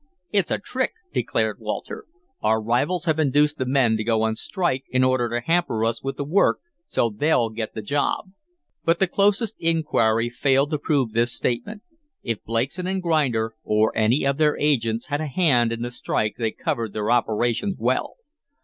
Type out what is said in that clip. "It's a trick," declared Walter. "Our rivals have induced the men to go on strike in order to hamper us with the work so they'll get the job." But the closest inquiry failed to prove this statement. If Blakeson & Grinder, or any of their agents, had a hand in the strike they covered their operations well.